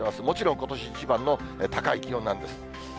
もちろん、ことし一番の高い気温なんです。